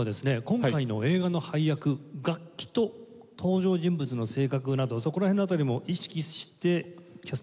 今回の映画の配役楽器と登場人物の性格などそこら辺の辺りも意識してキャスティングされましたか？